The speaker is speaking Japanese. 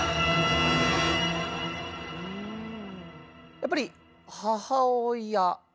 やっぱり母親。